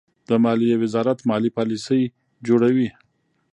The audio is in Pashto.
د مالیې وزارت مالي پالیسۍ جوړوي.